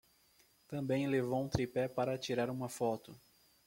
Também levou um tripé para tirar uma foto